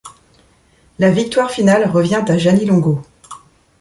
La victoire finale revient à Jeannie Longo.